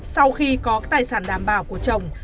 sau khi có tài sản đảm bảo của chồng